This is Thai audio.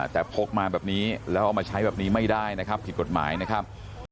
แต่พกมาแบบนี้แล้วเอามาใช้แบบนี้ไม่ได้นะครับผิดกฎหมายนะครับ